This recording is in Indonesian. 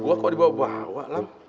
gua kok dibawa bawa lam